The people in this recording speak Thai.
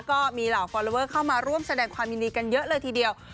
ก็มีเหล่าฟอลลอเวอร์เข้ามาร่วมแสดงความยินดีกันเยอะเลยทีเดียว